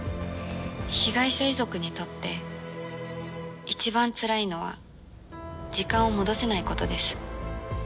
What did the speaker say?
被害者遺族にとっていちばんつらいのは時間を戻せない事です。